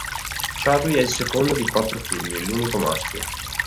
Charlie è il secondo di quattro figli, l'unico maschio.